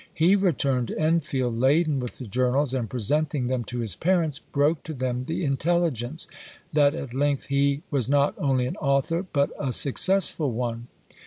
He returned to Enfield laden with the journals, and, presenting them to his parents, broke to them the intelligence, that at length he was not only an author, but a successful one.